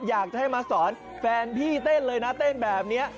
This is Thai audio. อยากจะให้มาสอนแฟนพี่เต้นเลยนะเต้นแบบนี้